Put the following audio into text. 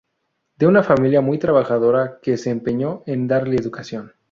De una familia muy trabajadora que se empeñó en darle educación.